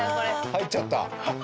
入っちゃった。